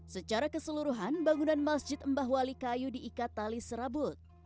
secara keseluruhan bangunan masjid mbah wali kayu diikat tali serabut